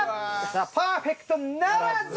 パーフェクトならず！